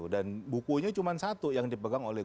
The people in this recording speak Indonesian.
dan bukunya cuma satu yang dipegang oleh